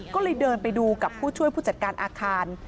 ก็เลยเดินไปดูกับผู้ช่วยผู้จัดการอาคาร